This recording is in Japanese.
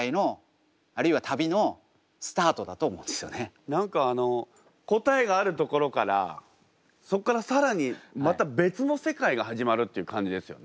でも何かあの答えがあるところからそっから更にまた別の世界が始まるっていう感じですよね。